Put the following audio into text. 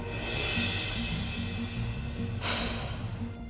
lu tenang aja